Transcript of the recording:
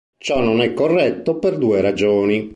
Ciò non è corretto per due ragioni.